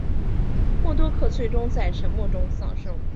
默多克最终在沉没中丧生。